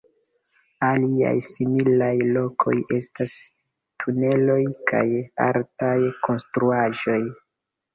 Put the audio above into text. Aliaj similaj lokoj estas tuneloj kaj altaj konstruaĵoj.